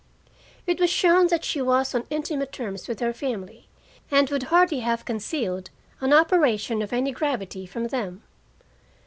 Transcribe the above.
It was shown that she was on intimate terms with her family and would hardly have concealed an operation of any gravity from them.